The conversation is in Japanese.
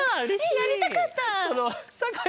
えやりたかった！